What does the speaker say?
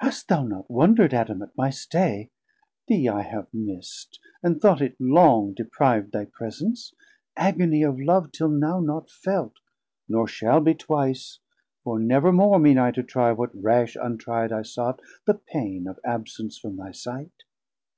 Hast thou not wonderd, Adam, at my stay? Thee I have misst, and thought it long, depriv'd Thy presence, agonie of love till now Not felt, nor shall be twice, for never more Mean I to trie, what rash untri'd I sought, 860 The paine of absence from thy sight.